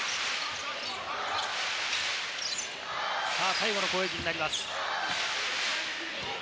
最後の攻撃になります。